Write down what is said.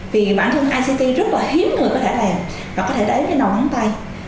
vì bản thân ict rất là hiếm người có thể làm và có thể đếm cái đầu bắn tay